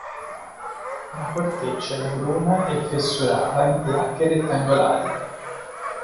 La corteccia è bruna e fessurata in placche rettangolari.